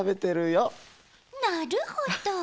なるほど。